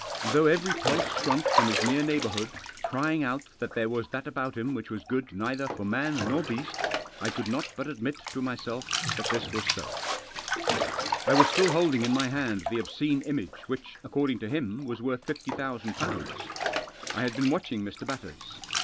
Though every pulse shrunk from his near neighbourhood, crying out that there was that about him which was good neither for man nor beast, I could not but admit to myself that this was so* I was Still holding in my hand the obscene iftiage which, according to him> was worth fifty thousand pounds* I had been watching Mr. Batters.